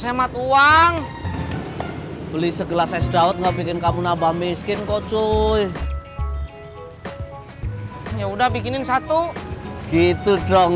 hemat uang beli segelas es dawet nggak bikin kamu nabah miskin kok cuy ya udah bikinin satu gitu dong